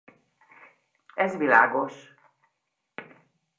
Ez világos.